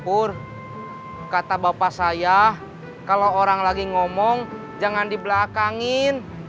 pur kata bapak saya kalau orang lagi ngomong jangan dibelakangin